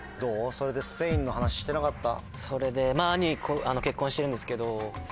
それでスペインの話してなかった？